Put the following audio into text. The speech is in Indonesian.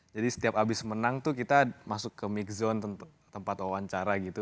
jadi setiap habis menang tuh kita masuk ke mid zone tempat wawancara gitu